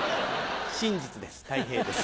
真実ですたい平です。